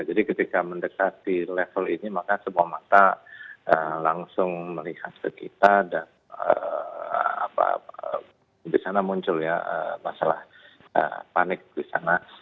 jadi ketika mendekati level ini maka semua mata langsung melihat ke kita dan disana muncul ya masalah panik disana